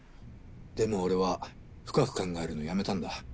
でも俺は深く考えるのやめたんだ。